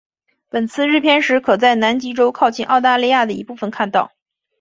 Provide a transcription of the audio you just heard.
本次日偏食可在南极洲靠近澳大利亚的一部分看到。